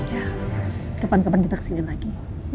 ya kepan kepan kita kesini lagi ya